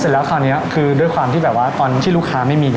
เสร็จแล้วคราวนี้คือด้วยความที่รูกค้าไม่มี